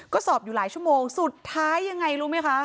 ก็สอบอยู่หลายชั่วโมงสุดท้ายยังไงรู้ไหมคะ